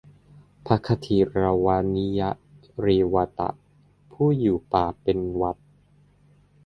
พระขทิรวนิยเรวตะ ผู้อยู่ป่าเป็นวัตร